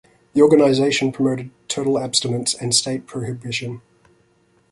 The organization promoted total abstinence and state prohibition.